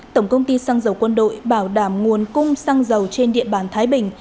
tổng công ty xăng dầu quân đội bảo đảm nguồn cung xăng dầu trên địa bàn thái bình